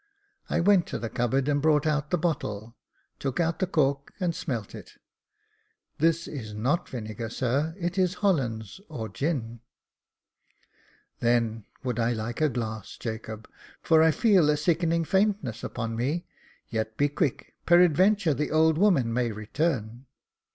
I went to the cupboard, and brought out the bottle, took out the cork and smelt it. "This is not vinegar, sir, it is Hollands or gin." " Then would I like a glass, Jacob, for I feel a sickening faintness upon me ; yet be quick, peradventure the old woman may return."